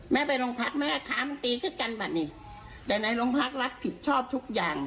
แม่ไปลงพักแม่ขามันตีก็กันแบบนี้แต่ในลงพักรักผิดชอบทุกอย่าง